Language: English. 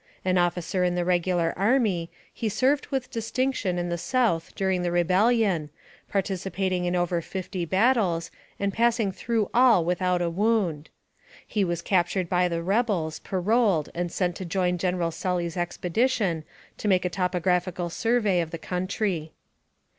An officer in the regular army, he served with distinction in the South during the rebellion, par ticipating in over fifty battles, and passing through all without a wound. He was captured by the rebels, paroled, and sent to join General Sully 's expedition, to make a topographical survey of the country.